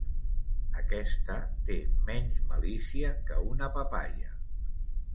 Aquesta té menys malícia que una papaia.